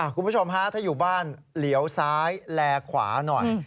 คุณผู้ชมฮะถ้าอยู่บ้านเหลียวซ้ายแลขวาหน่อย